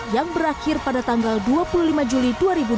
yang berakhir pada tanggal dua puluh lima juli dua ribu dua puluh